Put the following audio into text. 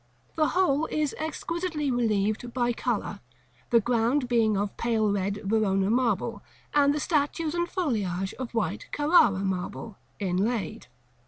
The whole is exquisitely relieved by color; the ground being of pale red Verona marble, and the statues and foliage of white Carrara marble, inlaid.